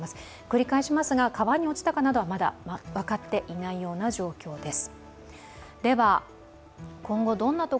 繰り返しますが川に落ちたかなどはまだ分かっていないような状況です。